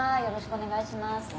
よろしくお願いします。